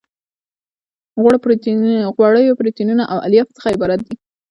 غوړیو پروتینونو او الیافو څخه عبارت دي.